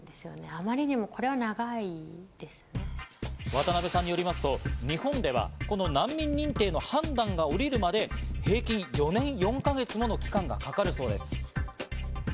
渡部さんによりますと、日本ではこの難民認定の判断がおりるまで、平均４年４か月もの期間がかかるそうです。